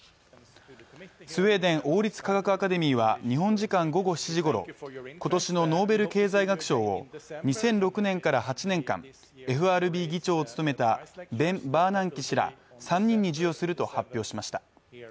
スウェーデン王立科学アカデミーは日本時間午後７時ごろ、今年のノーベル経済学賞を２００６年から８年間、ＦＲＢ議長を務めたベン・バーナンキ氏ら３人に授与すると発表しました。